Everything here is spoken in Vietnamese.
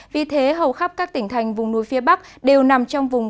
vì thế hầu khắp các tỉnh thành vùng núi phía bắc đều nằm trong vùng